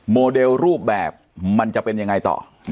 โมเดลรูปแบบมันจะเป็นยังไงต่อ